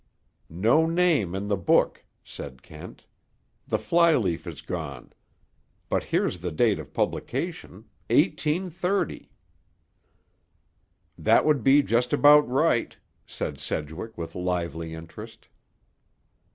"No name in the book," said Kent. "The flyleaf is gone. But here's the date of publication: 1830." "That would be just about right," said Sedgwick with lively interest.